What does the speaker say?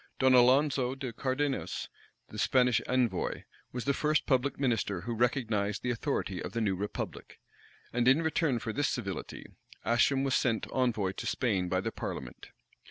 Don Alonzo de Cardenas, the Spanish envoy, was the first public minister who recognized the authority of the new republic; and in return for this civility, Ascham was sent envoy into Spain by the parliament.